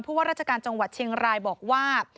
ว่าราชการจังหวัดเชียงรายบอกว่า